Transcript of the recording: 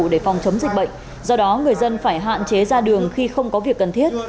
để phòng chống dịch bệnh do đó người dân phải hạn chế ra đường khi không có việc cần thiết